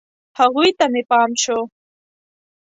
هغوی ته مې پام شو.